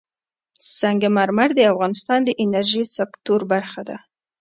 سنگ مرمر د افغانستان د انرژۍ سکتور برخه ده.